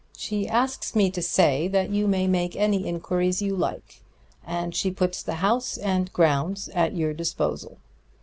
She asks me to say that you may make any inquiries you like, and she puts the house and grounds at your disposal.